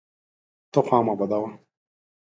ته خوا مه بدوه!